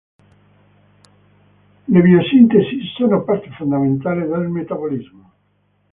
Le biosintesi sono parte fondamentale del metabolismo.